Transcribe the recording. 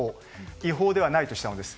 違法ではないとしたのです。